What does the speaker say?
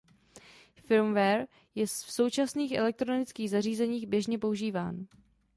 Firmware je v současných elektronických zařízeních běžně používán.